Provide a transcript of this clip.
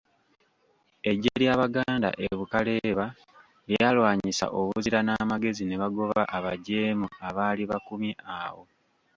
Eggye ly'Abaganda e Bukaleeba lyalwanyisa obuzira n'amagezi ne bagoba abajeemu abaali bakumye awo.